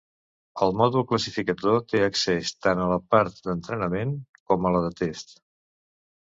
El mòdul classificador té accés tant a la part d'entrenament com a la de test.